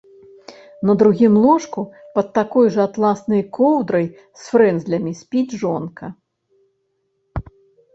На другім ложку пад такой жа атласнай коўдрай з фрэнзлямі спіць жонка.